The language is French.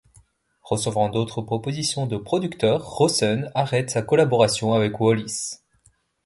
Recevant d'autres propositions de producteurs, Rossen arrête sa collaboration avec Wallis.